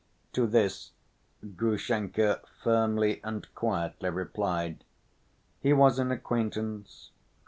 To this Grushenka firmly and quietly replied: "He was an acquaintance.